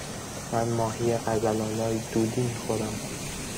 من ماهی قزل آلا دودی می خورم.